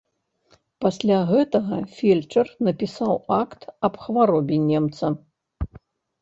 Пасля гэтага фельчар напісаў акт аб хваробе немца.